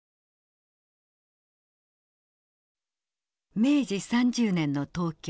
明治３０年の東京。